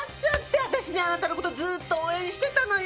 私ねあなたの事ずっと応援してたのよ。